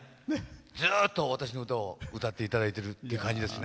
ずっと私の歌を歌っていただいてる感じですね。